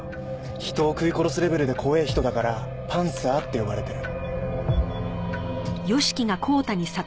人を食い殺すレベルで怖え人だからパンサーって呼ばれてる。